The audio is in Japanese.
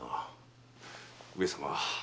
上様。